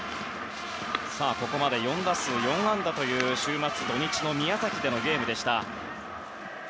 ここまで４打数４安打という週末、土日の宮崎のゲームでした。